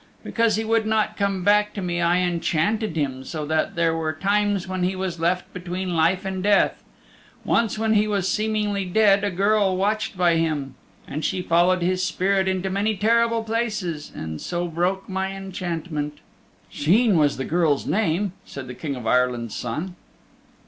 "Because he would not come back to me I enchanted him so that there were times when he was left between life and death. Once when he was seemingly dead a girl watched by him, and she followed his spirit into many terrible places and so broke my enchantment." "Sheen was the girl's name," said the King of Ireland's Son.